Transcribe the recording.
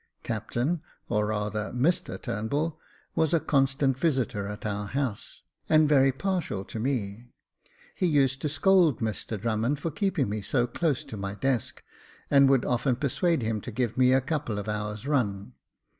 Captain, or rather, Mr Turnbull, was a constant visitor at our house, and very partial to me. He used to scold Mr Drummond for keeping me so close to my desk, and would often persuade him to give me a couple of hours' run.